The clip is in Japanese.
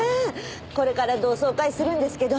これから同窓会するんですけど